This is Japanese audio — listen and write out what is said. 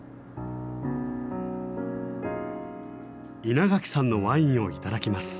稲垣さんのワインを頂きます。